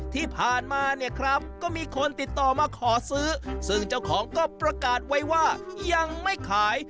ที่ผ่านมาเนี่ยครับก็มีคนติดต่อมาขอซื้อซึ่งเจ้าของก็ประกาศไว้ว่ายังไม่ขาย